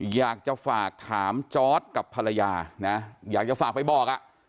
อยากจะฝากถามจอร์ดกับภรรยานะอยากจะฝากไปบอกอ่ะ